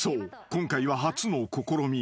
今回は初の試み。